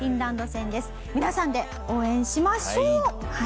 皆さんで応援しましょう！